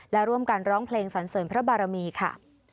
และร่วมกันร้องเพลงสันเสริมพระบารมีค่ะ